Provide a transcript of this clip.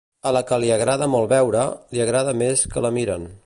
A la que li agrada molt veure, li agrada més que la miren.